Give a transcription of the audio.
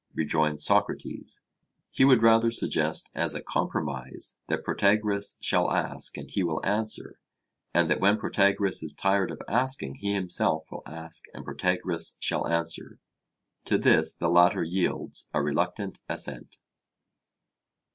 rejoins Socrates; he would rather suggest as a compromise that Protagoras shall ask and he will answer, and that when Protagoras is tired of asking he himself will ask and Protagoras shall answer. To this the latter yields a reluctant assent.